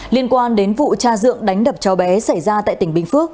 liên quan đến vụ cha dượng đánh đập cháu bé xảy ra tại tỉnh bình phước